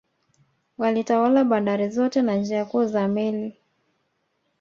Walitawala bandari zote na njia kuu za meli